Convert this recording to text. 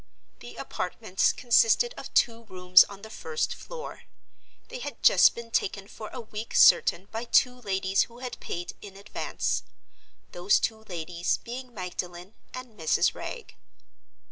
The apartments consisted of two rooms on the first floor. They had just been taken for a week certain by two ladies who had paid in advance—those two ladies being Magdalen and Mrs. Wragge.